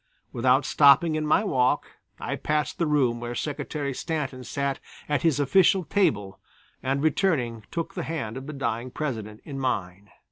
Without stopping in my walk, I passed the room where Secretary Stanton sat at his official table and returning took the hand of the dying President in mine.